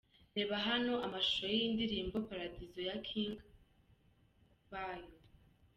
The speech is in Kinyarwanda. Reba hano amashusho y'iyi ndirimbo 'Paradizo' ya King Bayo .